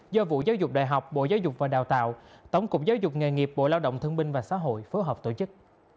do vụ giáo dục đại học bộ giáo dục và đào tạo tổng cục giáo dục nghề nghiệp bộ lao động thương binh và xã hội phối hợp tổ chức